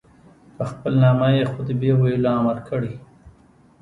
په خپل نامه یې خطبې ویلو امر کړی.